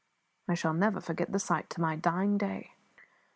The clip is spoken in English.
I shall never forget the sight, to my dying day.